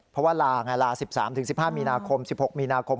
เพราะว่าลา๑๓๑๕มีนาคม